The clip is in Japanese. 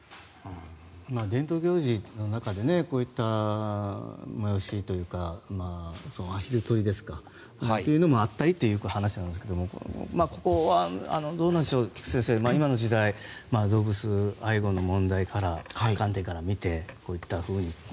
伝統行事の中でこういった催しというかアヒル取りというのもあったりという話なんですがここはどうなんでしょう菊地先生菊地先生、今の時代動物愛護の観点から見てこういったもの。